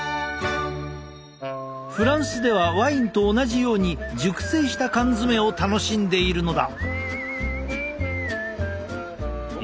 フランスではワインと同じように熟成した缶詰を楽しんでいるのだ。